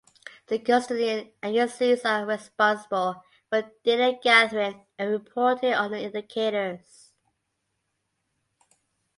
The custodian agencies are responsible for data gathering and reporting on the indicators.